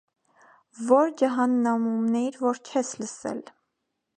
Ո՞ր ջհաննամումն էիր, որ չես լսել: